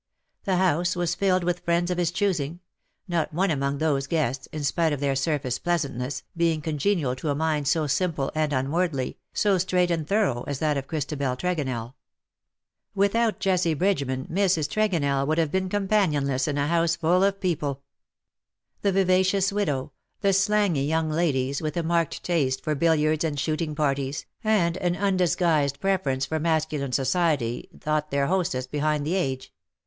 The house was filled with friends of his choosing — not one among those guests, in spite of their surface pleasantness, being congenial to a mind so simple and unworldly, so straight and thorough, as that of Christabel Trego nell. Without Jessie Bridgeman, Mrs. Tregonell would have been companionless in a house full of VOL. II. N 178 ^^AND PALE FROM THE PAST people. The vivacious widow, the slangy youn^ ladies, with a marked taste for billiards and shooting parties, and an undisguised preference for masculine society, thought their hostess behind the age.